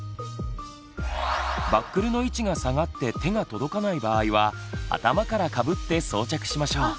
バックルの位置が下がって手が届かない場合は頭からかぶって装着しましょう。